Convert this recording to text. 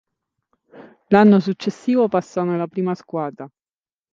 L'anno successivo passò nella prima squadra.